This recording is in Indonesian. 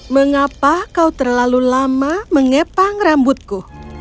mengapa kau terlalu lama mengepang rambutku